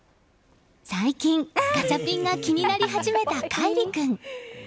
最近、ガチャピンが気になり始めた凱吏君。